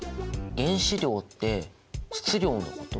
原子量って質量のこと？